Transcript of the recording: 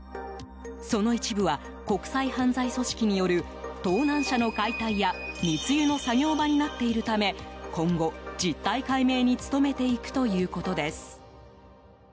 その一部は、国際犯罪組織による盗難車の解体や密輸の作業場になっているため今後、実態解明に努めていくということです。